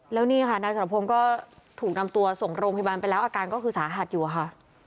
แล้วนี่ค่ะนายสรพงศ์ก็ถูกนำตัวส่งโรงพยาบาลไปแล้วอาการก็คือสาหัสอยู่ค่ะ